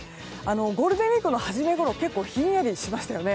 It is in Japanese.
ゴールデンウィークのはじめごろ結構ひんやりしましたよね。